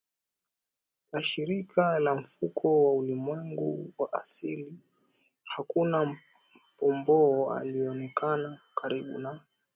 la shirika la mfuko wa ulimwengu wa asili hakuna pomboo aliyeonekana karibu na